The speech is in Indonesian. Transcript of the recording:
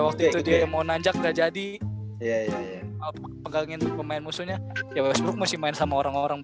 waktu itu dia mau nanjak nggak jadi pegangin pemain musuhnya ya facebook masih main sama orang orang